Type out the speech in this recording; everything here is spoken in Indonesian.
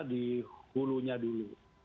di hulunya dulu